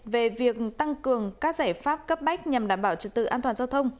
về việc tăng cường các giải pháp cấp bách nhằm đảm bảo trật tự an toàn giao thông